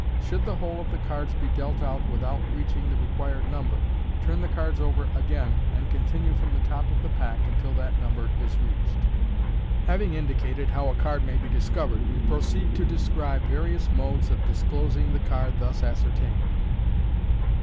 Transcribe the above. Should the whole of the cards be dealt out without reaching the re quired number, turn the cards over again, and continue from the top of the pack until that number is reached. Having indicated how a card may be discovered, we proceed to describe various modes of disclosing the card thus ascertained.